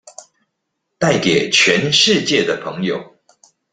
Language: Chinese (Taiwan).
帶給全世界的朋友